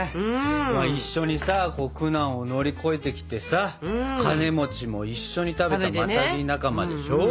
一緒にさ苦難を乗り越えてきてさカネも一緒に食べたマタギ仲間でしょ？